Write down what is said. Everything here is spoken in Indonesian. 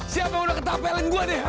siapa udah ketapelin gue nih